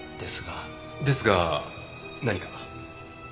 ですが何か？